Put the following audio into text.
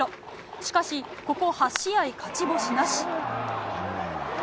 しかし、ここ８試合勝ち星なし。